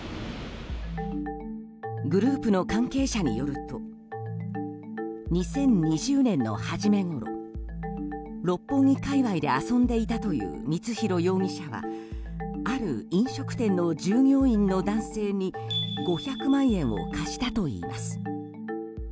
グループの関係者によると２０２０年の初めごろ六本木界隈で遊んでいたという光弘容疑者はある飲食店の従業員の男性に５００万円を貸したといいます。